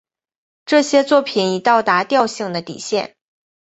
这些作品已到达调性的底线。